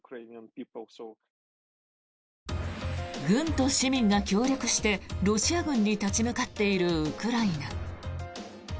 軍と市民が協力してロシア軍に立ち向かっているウクライナ。